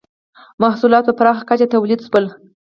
• محصولات په پراخه کچه تولید شول.